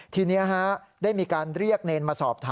ทีนี้ได้มีการเรียกเนรมาสอบถาม